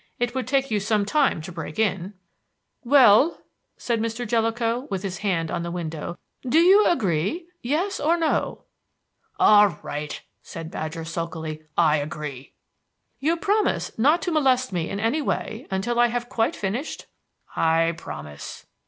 It would take you some time to break in." "Well," said Mr. Jellicoe, with his hand on the window, "do you agree yes or no?" "All right," said Badger sulkily. "I agree." "You promise not to molest me in any way until I have quite finished?" "I promise."